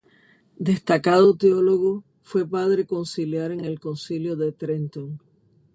Destacado teólogo, fue Padre Conciliar en el Concilio de Trento.